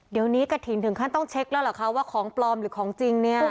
เดี๋ยวนี้กระถิ่นถึงขั้นต้องเช็คแล้วเหรอคะว่าของปลอมหรือของจริงเนี่ย